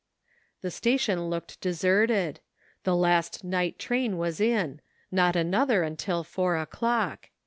The station looked deserted. The last night train was in ; not another till four o'clock.